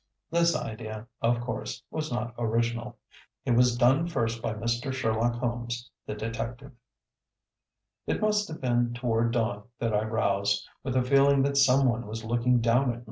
This idea, of course, was not original. It was done first by Mr. Sherlock Holmes, the detective. It must have been toward dawn that I roused, with a feeling that some one was looking down at me.